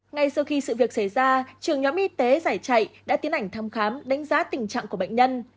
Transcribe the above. ngay sau khi sự việc xảy ra trường nhóm y tế giải chạy đã tiến hành thăm khám đánh giá tình trạng của bệnh nhân